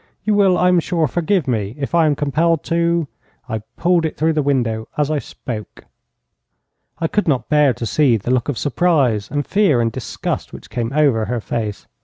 'You will, I am sure, forgive me, if I am compelled to ' I pulled it through the window as I spoke. I could not bear to see the look of surprise and fear and disgust which came over her face.